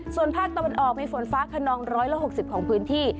ส่วนภาคตะวันออกมีฝนฟ้าขนอง๑๖๐ของพื้นที่